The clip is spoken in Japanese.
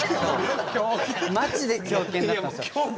マジで狂犬だったんですよ。